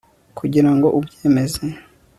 kugirango ubyemeze